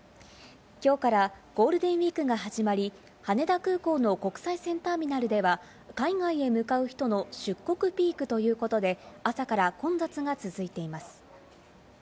今日からゴールデンウィークが始まり、羽田空港の国際線ターミナルでは海外へ向かう人の出国ピークということで朝から混雑が続いています。